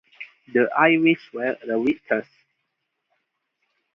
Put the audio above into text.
The Irish were the victors.